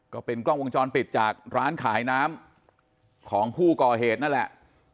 ก็เป็นกล้องวงจรปิดจากร้านขายน้ำของผู้ก่อเหตุนั่นแหละ